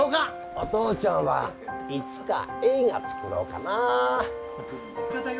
お父ちゃんはいつか映画作ろうかな。